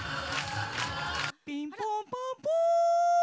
ピンポンパンポーン。